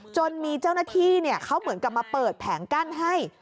จนมีเจ้าหน้าที่เขาเหมือนกับมาเปิดแผงกั้นให้